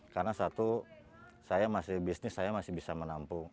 karena satu saya masih bisnis saya masih bisa menampung